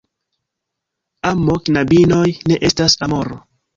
Amo, knabinoj, ne estas Amoro.